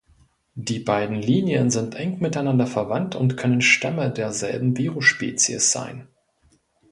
Die beiden Linien sind eng miteinander verwandt und können Stämme derselben Virusspezies sein.